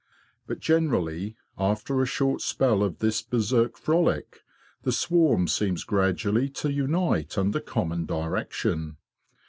But generally, after a short spell of this berserk frolic, the swarm seems gradually to unite under common direction.